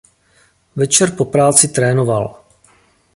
Večer po práci trénoval.